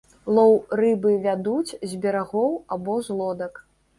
Лоў рыбы вядуць з берагоў або з лодак.